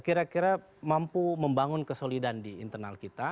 kira kira mampu membangun kesolidan di internal kita